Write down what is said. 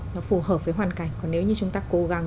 nó phù hợp với hoàn cảnh còn nếu như chúng ta cố gắng